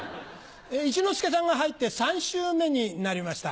一之輔さんが入って３週目になりました。